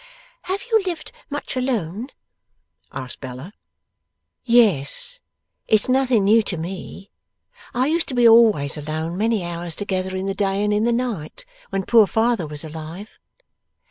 'Have you lived much alone?' asked Bella. 'Yes. It's nothing new to me. I used to be always alone many hours together, in the day and in the night, when poor father was alive.